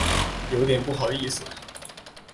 有点不好意思